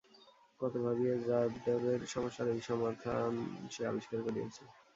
কত ভাবিয়া যাদবের সমস্যার এই সমাথা ন সে আবিষ্কার করিয়ারেছ।